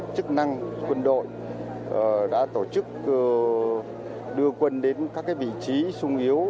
chức năng quân đội đã tổ chức đưa quân đến các vị trí sung yếu